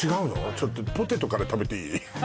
ちょっとポテトから食べていい？